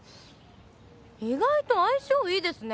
意外と相性いいですね